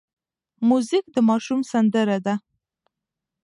موزیک د ماشوم سندره ده.